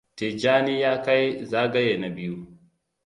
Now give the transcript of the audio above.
Tijjani ya kai zagaye na biyu.